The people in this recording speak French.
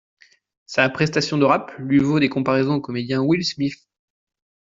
Sa prestation de rap lui vaut des comparaisons au comédien Will Smith.